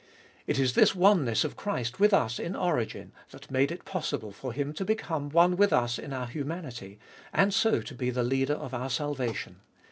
It is this oneness of Christ with us in origin, that made it possible for Him to become one with us in our humanity, and so to be the Leader of our salvation.